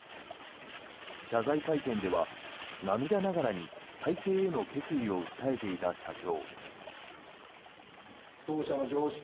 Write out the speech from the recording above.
謝罪会見では、涙ながらに再生への決意を訴えていた社長。